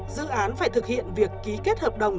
dự án phải thực hiện việc ký kết hợp đồng